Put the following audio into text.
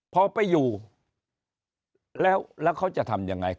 พอไปอยู่แล้วแล้วเขาจะทำยังไง